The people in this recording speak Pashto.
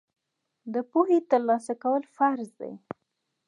د پوهې ترلاسه کول فرض دي.